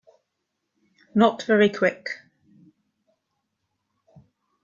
Not very Quick